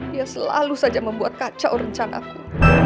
dia selalu saja membuat kacau rencanaku